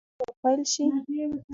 ایا ستاسو همکاري به پیل شي؟